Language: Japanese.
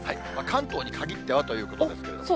関東に限ってはということなんですけど。